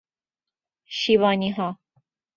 شیبانیها